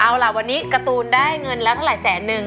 เอาล่ะวันนี้การ์ตูนได้เงินแล้วเท่าไหรแสนนึง